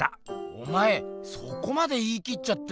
おまえそこまで言いきっちゃって。